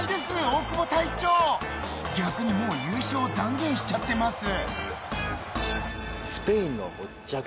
大久保隊長逆にもう優勝を断言しちゃってます。